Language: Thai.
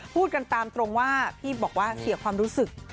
พูดกันตามตรงว่าพี่บอกว่าเสียความรู้สึก